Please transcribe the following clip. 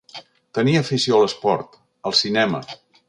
Tenir afició a l'esport, al cinema.